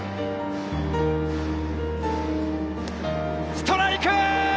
ストライク！！